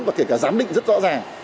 và kể cả giám định rất rõ ràng